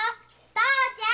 父ちゃん！